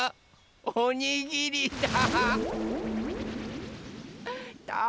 おにぎりだ！